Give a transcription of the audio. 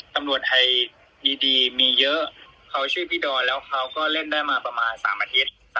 ตำรวจไทยดีมีเยอะเขาชื่อพี่ดอนแล้วเขาก็เล่นได้มาประมาณ๓อาทิตย์